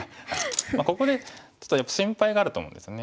ここでちょっと心配があると思うんですね。